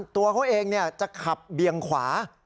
ตัวเขาเองจะขับเบียงขวา